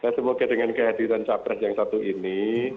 semoga dengan kehadiran capres yang satu ini